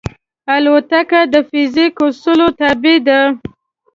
الوتکه د فزیک اصولو تابع ده.